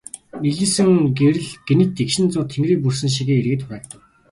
Нэлийсэн гэрэл гэнэт эгшин зуур тэнгэрийг бүрхсэн шигээ эргээд хураагдав.